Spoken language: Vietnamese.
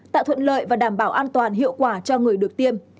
tạo thuận lợi và đảm bảo an toàn hiệu quả cho người được tiêm